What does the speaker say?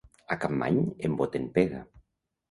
A Capmany emboten pega.